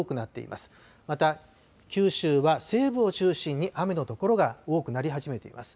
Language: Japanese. また、九州は西部を中心に雨の所が多くなり始めています。